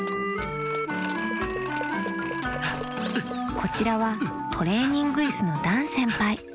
こちらはトレーニングイスのダンせんぱい。